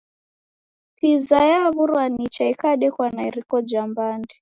Piza yaw'urwa nicha ikadekwa na iriko ja mbande.